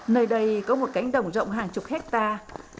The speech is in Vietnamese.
nơi đây có một cánh đồng rộng hàng chục hectare